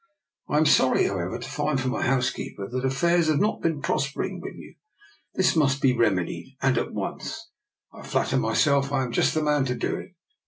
I am sorry, however, to find from my housekeeper that affairs have not been prospering with you. This must be remedied, and at once. I flatter myself I am just the man to do it.